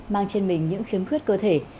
mang trên mình những khiếm khuyết cơ thể